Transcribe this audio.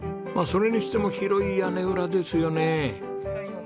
それにしても広い屋根裏ですよね。